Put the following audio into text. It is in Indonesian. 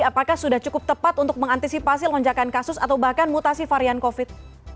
apakah sudah cukup tepat untuk mengantisipasi lonjakan kasus atau bahkan mutasi varian covid